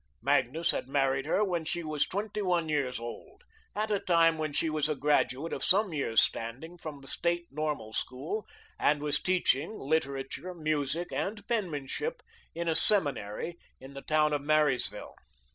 Magnus had married her when she was twenty one years old, at a time when she was a graduate of some years' standing from the State Normal School and was teaching literature, music, and penmanship in a seminary in the town of Marysville.